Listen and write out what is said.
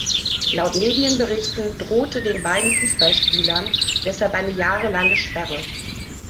Laut Medienberichten drohte den beiden Fußballspielern deshalb eine jahrelange Sperre.